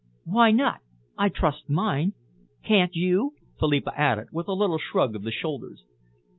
"Why not? I trust mine. Can't you?" Philippa added, with a little shrug of the shoulders.